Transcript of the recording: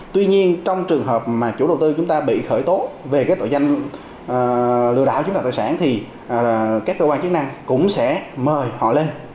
tuy nhiên trong trường hợp mà chủ đầu tư chúng ta bị khởi tố về cái tội danh lừa đảo chứng tỏ tài sản thì các cơ quan chức năng cũng sẽ mời họ lên